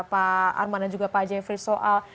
pak arman dan juga pak jeffrey soal